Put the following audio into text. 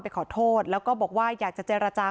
ขอโทษแล้วก็บอกว่าอยากจะเจรจา